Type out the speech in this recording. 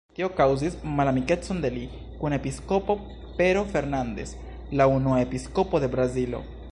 Tio kaŭzis malamikecon de li kun episkopo Pero Fernandes, la unua episkopo de Brazilo.